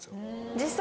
実際。